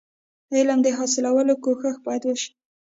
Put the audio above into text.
علم د حاصلولو کوښښ باید وسي.